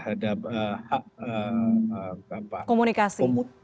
katalah pemenuhan terhadap hak komunikasi